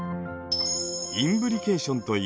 インブリケーションといい